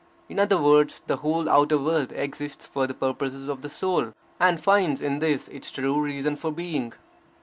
In other words, the whole outer world exists for the purposes of the soul, and finds in this its true reason for being.